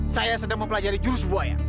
saya sedang mempelajari jurus buaya